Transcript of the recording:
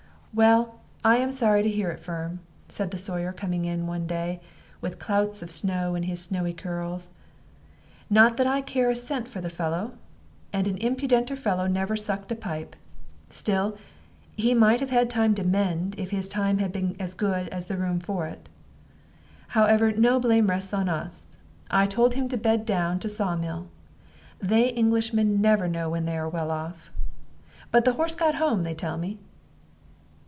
"Well, I am sorry to hear it, Firm," said the Sawyer, coming in one day, with clouts of snow in his snowy curls. "Not that I care a cent for the fellow and an impudenter fellow never sucked a pipe. Still, he might have had time to mend, if his time had been as good as the room for it. However, no blame rests on us. I told him to bed down to saw mill. They Englishmen never know when they are well off. But the horse got home, they tell me?"